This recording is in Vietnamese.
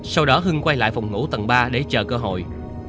sau đó hưng quay lại phòng ngủ tầng ba để chờ cơ hội